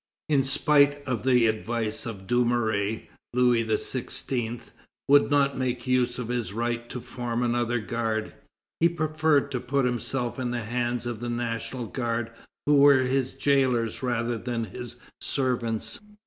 In spite of the advice of Dumouriez, Louis XVI. would not make use of his right to form another guard. He preferred to put himself in the hands of the National Guard, who were his jailors rather than his servants.